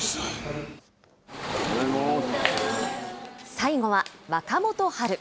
最後は、若元春。